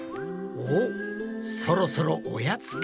おっそろそろおやつか？